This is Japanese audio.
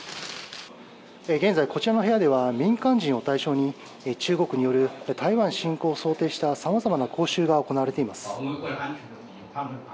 現在、こちらの部屋では民間人を対象に中国による台湾侵攻を想定したさまざまな講習が行われています。